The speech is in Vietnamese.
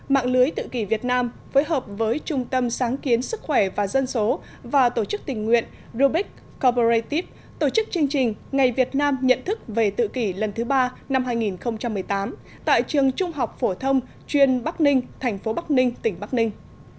mạng lưới tự kỷ việt nam phối hợp với trung tâm sáng kiến sức khỏe và dân số và tổ chức tình nguyện rubik coberratip tổ chức chương trình ngày việt nam nhận thức về tự kỷ lần thứ ba năm hai nghìn một mươi tám tại trường trung học phổ thông chuyên bắc ninh thành phố bắc ninh tỉnh bắc ninh